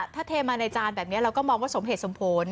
ถ้าเทมาในจานแบบนี้เราก็มองว่าสมเหตุสมผล